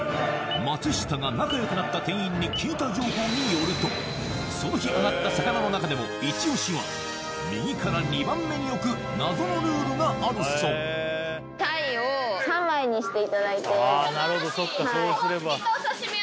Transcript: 松下が仲良くなった店員に聞いた情報によるとその日揚がった魚の中でもイチ押しは右から２番目に置く謎のルールがあるそうしていただいて。